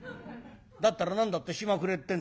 「だったら何だって暇くれってんだい」。